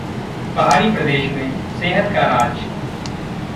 पहाड़ी प्रदेश में सेहत का राज